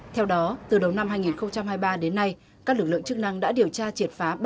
theo đó từ đầu năm hai nghìn hai mươi ba đến nay các lực lượng chức năng đã điều tra triệt phá